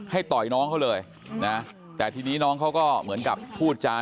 ต่อยน้องเขาเลยนะแต่ทีนี้น้องเขาก็เหมือนกับพูดจา